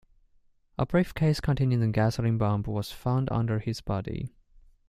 A briefcase containing the gasoline bomb was found under his body.